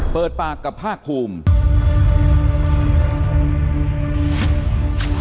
เปิดปากกับภาคภูมิ